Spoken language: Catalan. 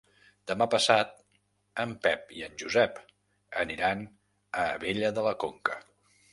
Demà passat en Pep i en Josep aniran a Abella de la Conca.